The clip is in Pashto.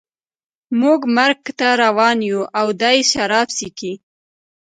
موږ مرګ ته روان یو او دی شراب څښي